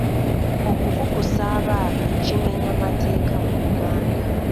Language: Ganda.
Okukukusa abaana kimenya mateeka mu Uganda.